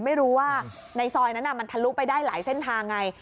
ไม่รู้ว่าในซอยนั้นมันทะลุไปได้หลายเส้นทางไง